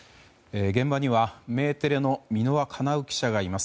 現場にはメテレの箕輪適記者がいます。